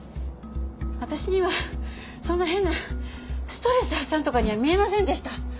私にはそんな変なストレス発散とかには見えませんでした。